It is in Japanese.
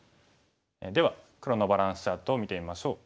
では黒のバランスチャートを見てみましょう。